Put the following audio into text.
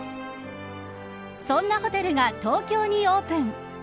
そんなホテルが東京にオープン。